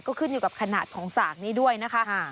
ก็ขึ้นอยู่กับขนาดของสากนี้ด้วยนะคะ